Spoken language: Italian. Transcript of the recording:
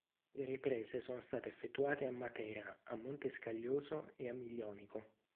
Le riprese sono state effettuate a Matera, a Montescaglioso e a Miglionico.